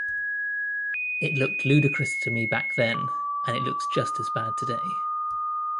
It looked ludicrous to me back then and looks just as bad today.